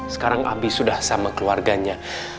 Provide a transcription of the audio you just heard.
sekarang abi sudah sama keluarganya